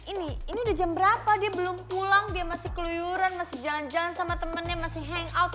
ini ini udah jam berapa dia belum pulang dia masih keluyuran masih jalan jalan sama temennya masih hangout